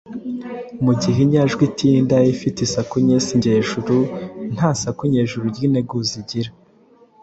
Mu gihe inyajwi itinda ifite isaku nyesi ngejuru nta saku nyejuru ry’integuza igira.